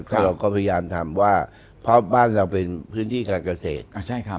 ก็เราก็พยายามทำว่าเพราะบ้านเราเป็นพื้นที่การเกษตร